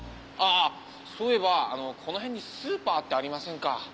あそういえばこの辺にスーパーってありませんか？